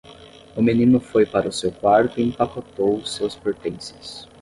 O menino foi para o seu quarto e empacotou seus pertences.